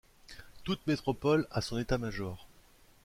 Toute métropole a son état-major.